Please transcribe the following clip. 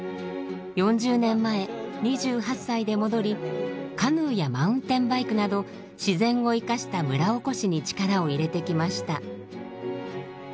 ４０年前２８歳で戻りカヌーやマウンテンバイクなど自然を生かした村おこしに力を入れてきました。